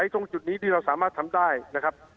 ตรงจุดนี้ที่เราสามารถทำได้นะครับ